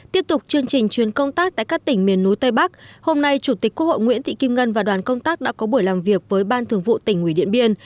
tiếp tục chương trình chuyến công tác tại các tỉnh miền núi tây bắc hôm nay chủ tịch quốc hội nguyễn thị kim ngân và đoàn công tác đã có buổi làm việc với ban thường vụ tỉnh ủy điện biên